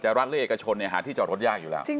แต่รัฐและเอกชนหาที่จอดรถยากอยู่แล้ว